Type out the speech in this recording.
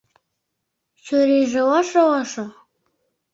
Чурийже ошо-ошо.